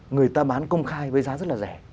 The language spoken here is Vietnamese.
người ta bán công khai với giá rất là rẻ